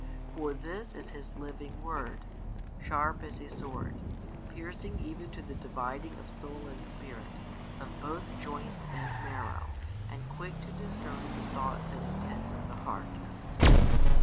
For this is His Living Word, sharp as a sword, piercing even to the dividing of soul and spirit, of both joints and marrow, and quick to discern the thoughts and intents of the heart.